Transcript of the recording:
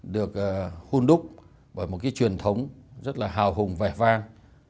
được hôn đúc bởi một cái truyền thống rất là hào hùng vẻ vang